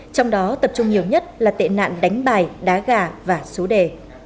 trong đó tập trung nhiều nhất là tệ nạn đánh bài đá gà và số đề